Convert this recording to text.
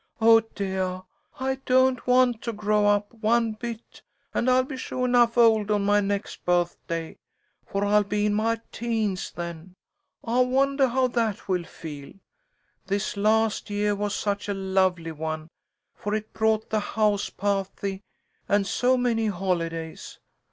"Oh, deah! I don't want to grow up, one bit, and I'll be suah 'nuff old on my next birthday, for I'll be in my teens then. I wondah how that will feel. This last yeah was such a lovely one, for it brought the house pahty and so many holidays.